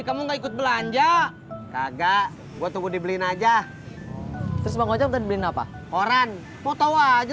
kamu nggak ikut belanja kagak gua tunggu dibeliin aja terus bangunan beli apa orang mau tahu aja